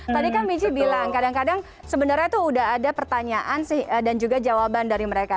tadi kan michi bilang kadang kadang sebenarnya tuh udah ada pertanyaan sih dan juga jawaban dari mereka